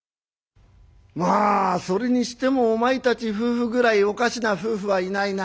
まあそれにしてもお前たち夫婦ぐらいおかしな夫婦はいないな。